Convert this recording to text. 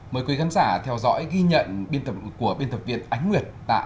mời quý khán giả theo dõi ghi nhận của biên tập viên ánh nguyệt